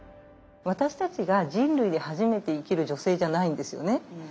私たちが人類で初めて生きる女性じゃないんですよね。